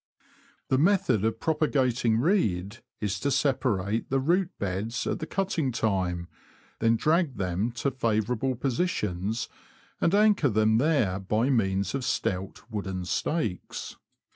The method of propagating reed, is to separate the •root beds at the cutting time, then drag them to favourable posi tions, and anchor them there by means of stout, wooden stakes.